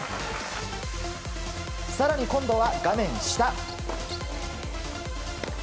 更に、今度は画面下。